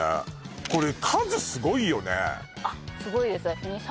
これ数スゴいよね